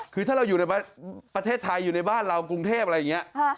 คือถ้าเราอยู่ในประเทศไทยอยู่ในบ้านเรากรุงเทพอะไรอย่างนี้